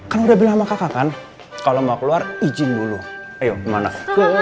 assalamualaikum warahmatullahi wabarakatuh